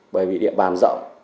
bởi vì địa bàn rộng